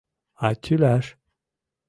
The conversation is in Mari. — А тӱлаш?!